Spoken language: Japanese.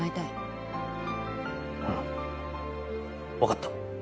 うんわかった。